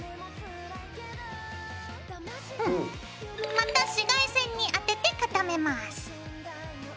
また紫外線に当てて固めます。